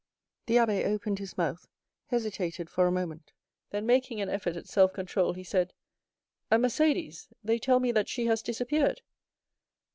The abbé opened his mouth, hesitated for a moment, then, making an effort at self control, he said, "And Mercédès—they tell me that she has disappeared?"